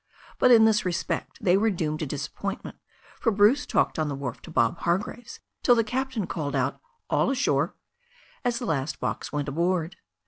But in this respect they were doomed to disappoint ment, for Bruce talked on the wharf to Bob Hargraves till the captain called out "All ashore" as the last box went aboard.